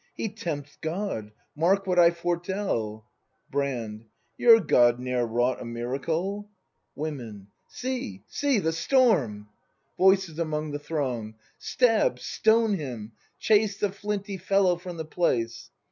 He tempts God! Mark what I foretell! Brand. Your God ne'er wrought a miracle ! Women See, see! the storm! ACT iij BRAND 61 Voices among the Throng. Stab, — stone him! chase The flinty fellow from the place!